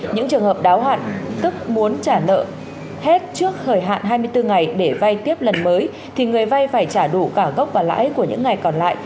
những trường hợp đáo hạn tức muốn trả nợ hết trước thời hạn hai mươi bốn ngày để vay tiếp lần mới thì người vay phải trả đủ cả gốc và lãi của những ngày còn lại